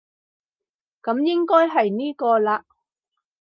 噉應該係呢個喇